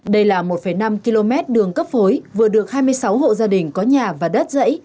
đây là một năm km đường cấp phối vừa được hai mươi sáu hộ gia đình có nhà và đất dãy